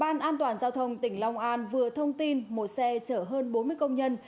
ban an toàn giao thông tỉnh long an vừa thông tin một xe chở hơn bốn mươi công nhân